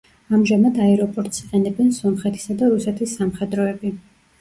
ამჟამად აეროპორტს იყენებენ სომხეთისა და რუსეთის სამხედროები.